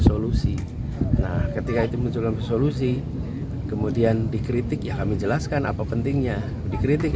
solusi nah ketika itu muncul solusi kemudian dikritik ya kami jelaskan apa pentingnya dikritik